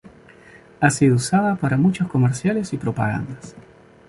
Ha sido usada para muchos comerciales y propagandas.